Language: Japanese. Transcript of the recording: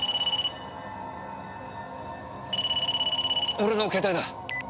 俺の携帯だ。